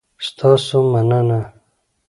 ستاسو مننه؟